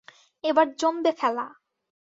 এবার জমবে খেলা!